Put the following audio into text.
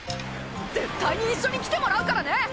絶対に一緒に来てもらうからね！